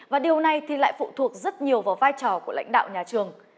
và điều này thì lại phụ thuộc rất nhiều vào vai trò của lãnh đạo nhà trường